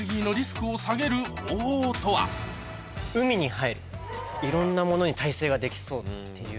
考え続けよういろんなものに耐性ができそうっていう。